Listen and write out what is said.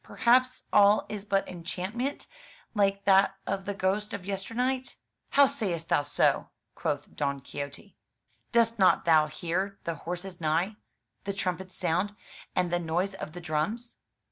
Perhaps all is but enchantment, like that of the ghosts of yester night." "How sayst thou so? " quoth Don Quixote. " Dost not thou hear the horses neigh, the trumpets sound, and the noise of the drums?"